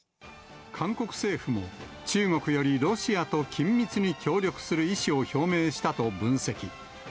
韓国政府も、中国よりロシアと緊密に協力する意思を表明したと分析。